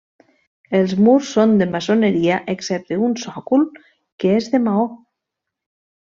Els murs són de maçoneria excepte un sòcol que és de maó.